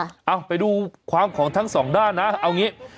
เอาไปดูความของทั้งสองด้านนะเอางี้